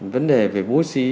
vấn đề về bố trí